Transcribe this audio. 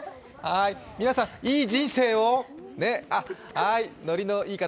皆さん、いい人生を。